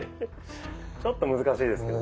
ちょっと難しいですけど。